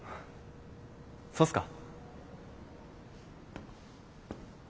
そうっすか。